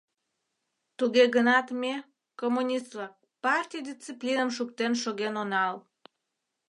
Туге гынат ме, коммунист-влак, партий дисциплиным шуктен шоген онал.